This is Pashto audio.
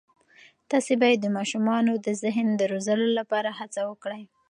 تاسې باید د ماشومانو د ذهن د روزلو لپاره هڅه وکړئ.